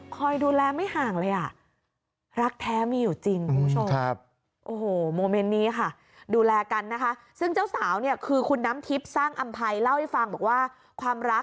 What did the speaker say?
คอยดูแลไม่ห่างเลยอ่ะ